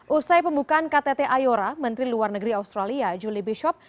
usai pembukaan ktt ayora menteri luar negeri australia julie bishop